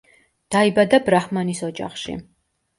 დაიბადა ბრაჰმანის ოჯახში.